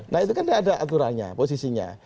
nah itu kan ada aturannya posisinya